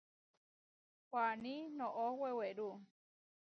Waní noʼó wewerú.